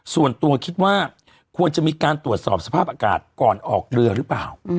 ส่วนตัวคิดว่าควรจะมีการตรวจสอบสภาพอากาศก่อนออกเรือหรือเปล่า